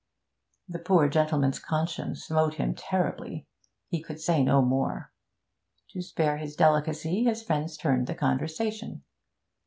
The poor gentleman's conscience smote him terribly. He could say no more. To spare his delicacy, his friends turned the conversation.